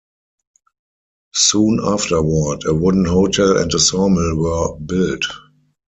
Soon afterward, a wooden hotel and a saw mill were built.